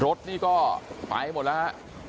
รถนี่ก็ไปออกไปหมดแล้วครับ